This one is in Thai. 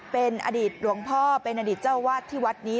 เป็นอดีตหลวงพ่อเป็นอดีตเจ้าวาดที่วัดนี้